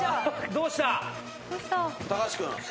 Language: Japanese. どうした？